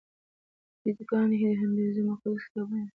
ویداګانې د هندویزم مقدس کتابونه دي.